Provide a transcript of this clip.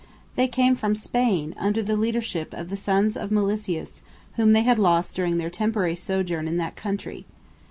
They came from Spain under the leadership of the sons of Milesius, whom they had lost during their temporary sojourn in that country.